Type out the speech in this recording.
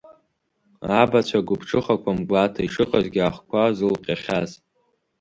Абацәа гәыԥҽыхақәа, мгәаҭа ишыҟазгьы ахқәа зылҟьахьаз.